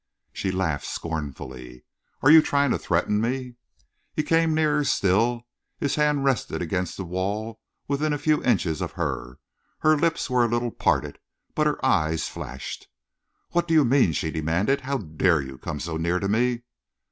She laughed scornfully. "Are you trying to threaten me?" He came nearer still. His hand rested against the wall, within a few inches of her. Her lips were a little parted, but her eyes flashed. "What do you mean?" she demanded. "How dare you come so near to me!"